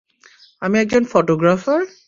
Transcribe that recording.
আমি একজন ফটোগ্রাফার!